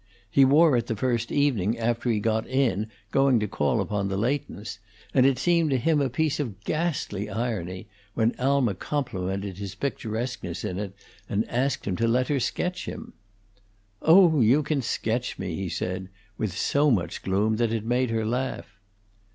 He wore it the first evening after he got it in going to call upon the Leightons, and it seemed to him a piece of ghastly irony when Alma complimented his picturesqueness in it and asked him to let her sketch him. "Oh, you can sketch me," he said, with so much gloom that it made her laugh.